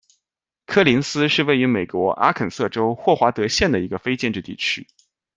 科林斯是位于美国阿肯色州霍华德县的一个非建制地区。